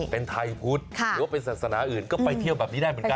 เป็นไทยพุทธหรือว่าเป็นศาสนาอื่นก็ไปเที่ยวแบบนี้ได้เหมือนกัน